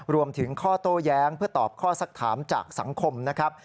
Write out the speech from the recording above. รวมถึงข้อโต้แย้งเพื่อตอบข้อสักถามจากสังคมนะครับ